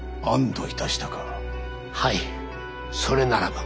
はいそれならば。